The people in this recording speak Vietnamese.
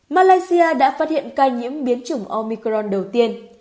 malaysia đã phát hiện ca nhiễm biến chủng omicron đầu tiên